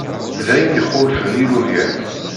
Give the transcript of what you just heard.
D ayen ixulfen ilugan.